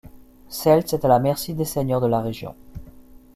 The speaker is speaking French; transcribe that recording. Seltz est à la merci des seigneurs de la région.